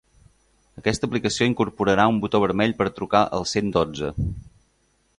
Aquesta aplicació incorporarà un botó vermell per trucar al cent dotze.